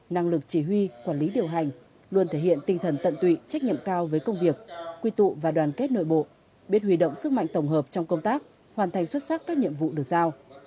năng lực chỉ huy quản lý điều hành luôn thể hiện tinh thần tận tụy trách nhiệm cao với công việc quy tụ và đoàn kết nội bộ biết huy động sức mạnh tổng hợp trong công tác hoàn thành xuất sắc các nhiệm vụ được giao